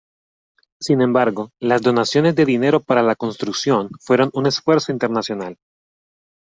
Sin embargo, las donaciones de dinero para la construcción fueron un esfuerzo internacional.